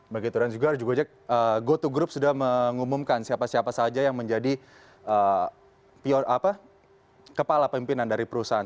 begitu dan juga cek goto group sudah mengumumkan siapa siapa saja yang menjadi kepala pimpinan dari perusahaan